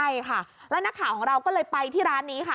ใช่ค่ะแล้วนักข่าวของเราก็เลยไปที่ร้านนี้ค่ะ